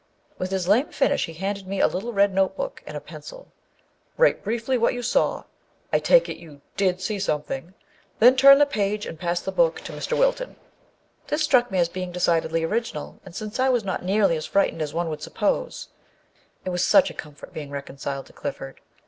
With this lame finish he handed me a little, red note book and a pencil. " Write briefly what you saw, â I take it you did see something, â then turn the page and pass the book to Mr. Wilton." This struck me as being decidedly original, and since I was not nearly as frightened as one would suppose (it was such a comfort being reconciled to Clifford